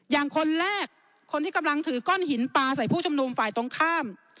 อย่างคนแรกคนที่กำลังถือก้อนหินปลาใส่ผู้ชุมนุมฝ่ายตรงข้าม